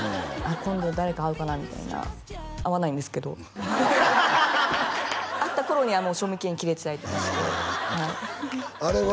今度誰か会うかなみたいな会わないんですけどハハハ会った頃にはもう賞味期限切れてたりとかしてあれは？